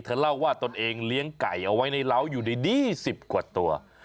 เล่าว่าตนเองเลี้ยงไก่เอาไว้ในร้าวอยู่ดี๑๐กว่าตัว